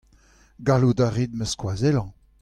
Gallout a rit ma skoazellañ.